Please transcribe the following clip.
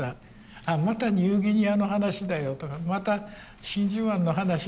ああまたニューギニアの話だよとかまた真珠湾の話だよとかってなる。